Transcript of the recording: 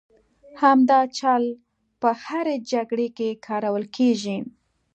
همدا چل په هرې جګړې کې کارول کېږي.